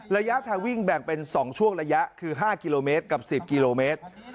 ระยะทางวิ่งแบ่งเป็น๒ช่วงระยะคือ๕กิโลเมตรกับ๑๐กิโลเมตร